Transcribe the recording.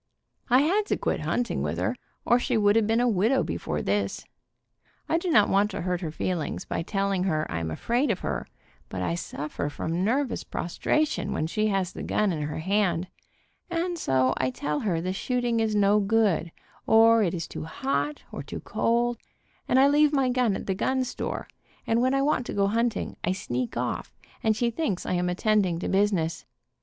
I had to quit hunting with her or she would have been a widow before this. I do not want to hurt her feelings by telling her ,1 am afraid of her, but I suffer from nervous prostration when she has the gun in her hand, and so I tell her the shooting is no good, or it is too hot, or too cold, and I leave my gun at the gun store, and when I want to go hunting I sneak off, and she thinks I am attend ing to business.